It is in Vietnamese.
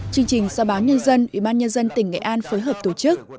chương trình do báo nhân dân ủy ban nhân dân tỉnh nghệ an phối hợp tổ chức